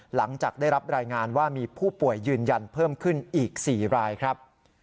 หลังจากได้รับรายงานว่ามีผู้ป่วยยืนยันเพิ่มขึ้นอีก๔รายครับ